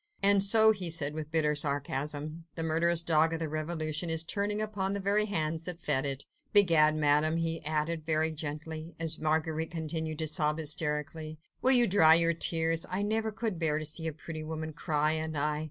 "And so," he said with bitter sarcasm, "the murderous dog of the revolution is turning upon the very hands that fed it? ... Begad, Madame," he added very gently, as Marguerite continued to sob hysterically, "will you dry your tears? ... I never could bear to see a pretty woman cry, and I